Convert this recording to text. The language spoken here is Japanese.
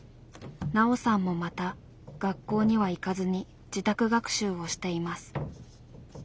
ナオさんもまた学校には行かずに自宅学習をしています。